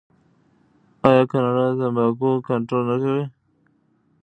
آیا کاناډا د تمباکو کنټرول نه کوي؟